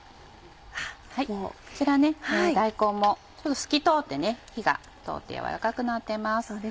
こちら大根もちょっと透き通って火が通って軟らかくなってます。